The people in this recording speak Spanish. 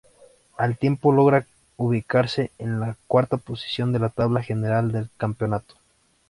Al tiempo logra ubicarse en la cuarta posición de la tabla general del campeonato.